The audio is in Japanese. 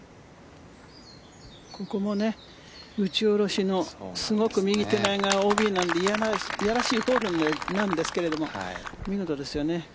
ここも打ち下ろしのすごく右手前側がＯＢなのでいやらしいホールなんですけれども見事ですよね。